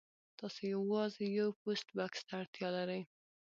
تاسو یوازې یو پوسټ بکس ته اړتیا لرئ